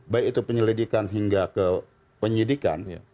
baik itu penyelidikan hingga ke penyidikan